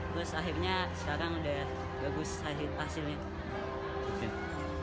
terus akhirnya sekarang udah bagus hasilnya